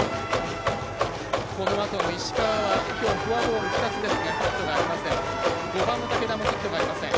このあとの石川は、きょうフォアボール２つですがヒットがありません。